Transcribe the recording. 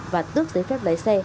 và tước giấy phép lái xe